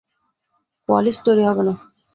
কোয়ালিস্ট তৈরি হবে না।